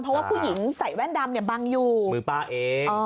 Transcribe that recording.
เพราะว่าผู้หญิงใส่แว่นดำเนี่ยบังอยู่มือป้าเอง